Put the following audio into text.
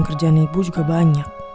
kerjaan ibu juga banyak